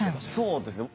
そうですね。